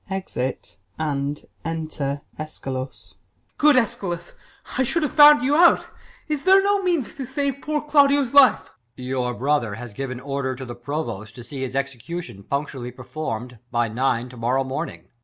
[Exit, and Enter Eschalus. Ben. Good Eschalus ! I should have found you out. THE LAW AGAINST LOVERS. 1 33 Is there no means to save poor Claudio's life 1 EsGH. Your brother has given order to the Provost, To see hLs execution punctually Perform'd, by nine to morrow morning.